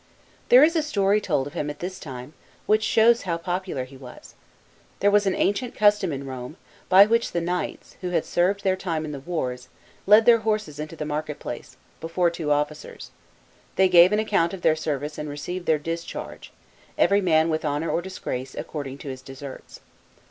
There is a story told of him at this time, which shows how popular he was. There was an ancient custom in Rome, by which the knights, who had served their time in the wars, led their horses into the market place, before two officers : they gave an account of their service and received their dis charge, every man with honour or disgrace, accord ing to his deserts.